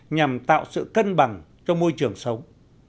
nhằm tạo sự cân bằng cho môi trường sống